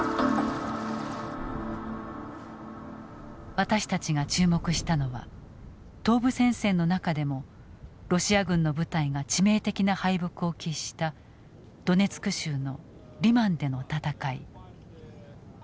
私たちが注目したのは東部戦線の中でもロシア軍の部隊が致命的な敗北を喫したドネツク州のリマンでの戦い。